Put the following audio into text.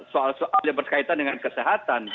soal soal yang berkaitan dengan kesehatan